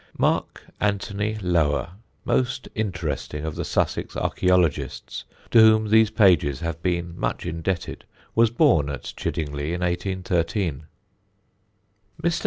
Mark Antony Lower, most interesting of the Sussex archæologists, to whom these pages have been much indebted, was born at Chiddingly in 1813. Mr.